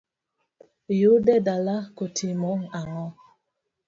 Iyude dala kotimo ang'o?